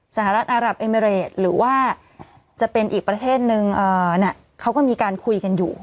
สหรัฐอารับเอเมริดหรือว่าจะเป็นอีกประเทศนึงเขาก็มีการคุยกันอยู่